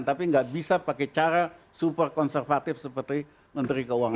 tapi nggak bisa pakai cara super konservatif seperti menteri keuangan